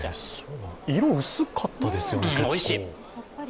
色、薄かったですよね、結構。